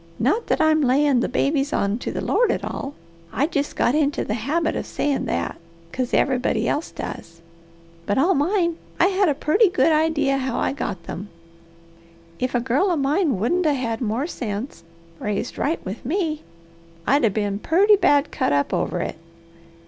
Not that I'm layin' the babies on to the Lord at all I jest got into the habit of sayin' that, 'cos everybody else does, but all mine, I had a purty good idy how I got them. If a girl of mine wouldn't 'a' had more sense, raised right with me, I'd' a' been purty bad cut up over it.